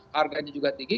harganya juga tinggi